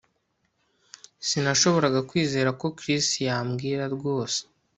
Sinashoboraga kwizera ko Chris yambwira rwose